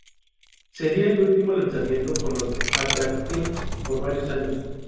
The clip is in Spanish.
Sería el último lanzamiento con los Attractions por varios años.